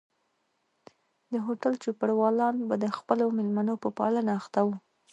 د هوټل چوپړوالان به د خپلو مېلمنو په پالنه اخته وو.